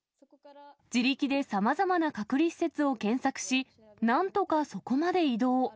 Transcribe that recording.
自力でさまざまな隔離施設を検索し、なんとか、そこまで移動。